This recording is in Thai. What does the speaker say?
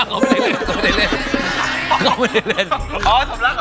เขาไม่ได้เล่น